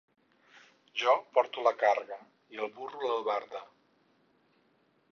Jo porto la càrrega i el burro l'albarda.